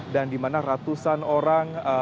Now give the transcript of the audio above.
dan dimana ratusan orang